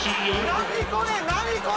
何これ何これ！